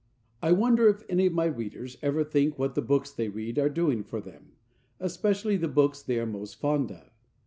I WONDER if any of my readers ever think what the books they read are doing for them, especially the books they are most fond of?